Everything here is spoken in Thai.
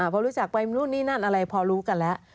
พอรู้จักไปนู่นนี่นั่นอะไรพอรู้กันแล้ว